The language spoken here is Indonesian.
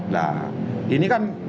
nah ini kan